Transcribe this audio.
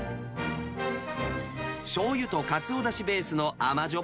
しょうゆとカツオだしベースの甘じょっ